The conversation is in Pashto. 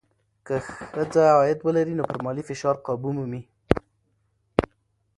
که ښځه عاید ولري، نو پر مالي فشار قابو مومي.